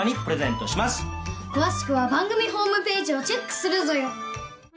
詳しくは番組ホームページをチェックするぞよ。